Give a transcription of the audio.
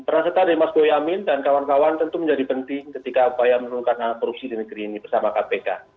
peran serta dari mas boyamin dan kawan kawan tentu menjadi penting ketika upaya menurunkan korupsi di negeri ini bersama kpk